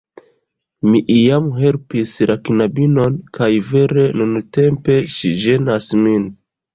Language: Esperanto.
Mi iam helpis la knabinon, kaj vere nuntempe ŝi ĝenas min.